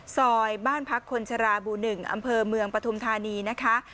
ซอยบ้านพักคนชราบู๑อำเภอเมืองปฐุมธานีนะคะ